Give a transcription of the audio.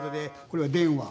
これは電話。